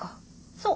そう。